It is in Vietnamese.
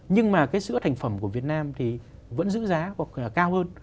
nhưng mà cái sữa thành phẩm của việt nam thì vẫn giữ giá hoặc cao hơn